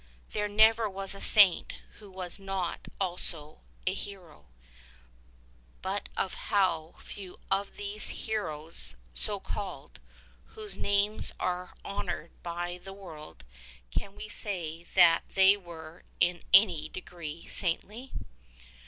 There never was a saint who was not also' a hero; but of how few of those heroes, so called, whose names are honoured by the world, can we say that they were in any degree saintly?